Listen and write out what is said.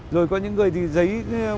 rồi có những người thì giấy